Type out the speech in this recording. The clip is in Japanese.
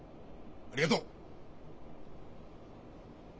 ありがとう。